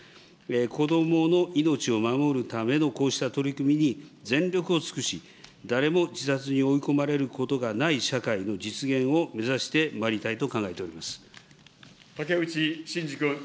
子どもの命を守るためのこうした取り組みに全力を尽くし、誰も自殺に追い込まれることがない社会の実現を目指してまいりた竹内真二君。